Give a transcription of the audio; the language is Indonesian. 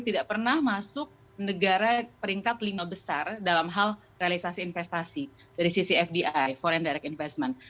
tidak pernah masuk negara peringkat lima besar dalam hal realisasi investasi dari sisi fdi foreig direct investment